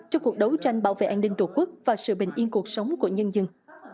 trong cuộc đấu tranh bảo vệ an ninh tổ quốc và sự bình yên cuộc sống của nhân dân